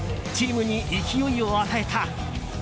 チームに勢いを与えた。